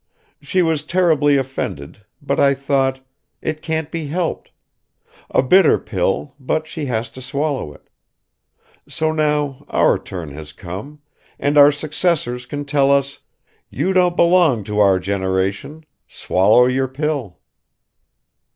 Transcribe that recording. She was terribly offended, but I thought, 'It can't be helped a bitter pill, but she has to swallow it.' So now our turn has come, and our successors can tell us: 'You don't belong to our generation; swallow your pill.'"